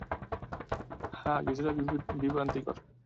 হ্যাঁ, কিছুটা বিভ্রান্তিকর।